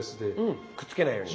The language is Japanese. くっつけないように。